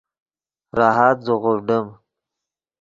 راحت زیغوڤڈیم